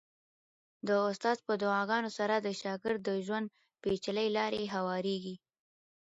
د استاد په دعاګانو سره د شاګرد د ژوند پېچلې لارې هوارېږي.